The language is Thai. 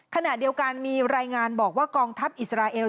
ขณะเดียวกันมีรายงานบอกว่ากองทัพอิสราเอล